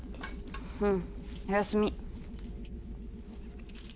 うんおやすみ。